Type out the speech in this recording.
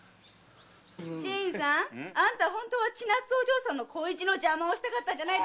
新さんホントは千奈津お嬢さんの恋路の邪魔をしたかったんじゃない？